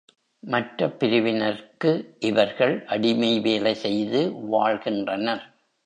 மற்றப் பிரிவினர்க்கு இவர்கள் அடிமை வேலை செய்து வாழ்கின்றனர்.